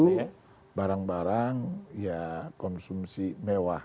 ini barang barang ya konsumsi mewah